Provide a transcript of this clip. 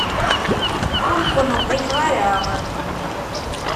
Ur ken-ḍḍifeɣ ara.